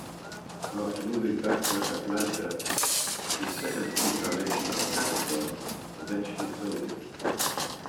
After moving back to Atlanta, the second incarnation of Capricorn eventually folded.